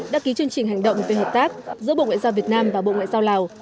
đã ký chương trình hành động về hợp tác giữa bộ ngoại giao việt nam và bộ ngoại giao lào